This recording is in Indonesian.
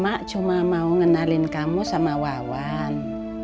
mak cuma mau ngenalin kamu sama wawan